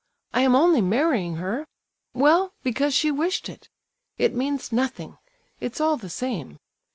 I am only marrying her—well, because she wished it. It means nothing—it's all the same.